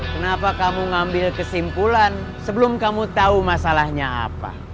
kenapa kamu ngambil kesimpulan sebelum kamu tahu masalahnya apa